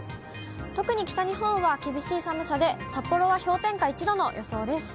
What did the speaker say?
特に北日本は厳しい寒さで、札幌は氷点下１度の予想です。